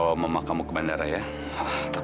kenapa bayi sendiri disitulah